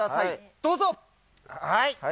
どうぞ。